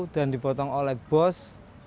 dan dipotong oleh bos